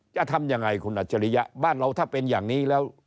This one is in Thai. จะทำยังไงคุณอัจฉริยะบ้านเราถ้าเป็นอย่างนี้แล้ว